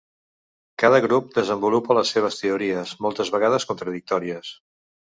Cada grup desenvolupa les seves teories, moltes vegades contradictòries.